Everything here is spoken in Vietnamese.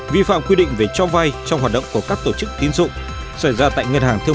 vi phạm quy định về cho vay trong hoạt động của các tổ chức tín dụng xảy ra tại ngân hàng thương